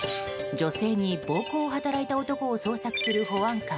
女性に暴行を働いた男を捜索する保安官。